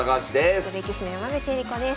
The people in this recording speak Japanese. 女流棋士の山口恵梨子です。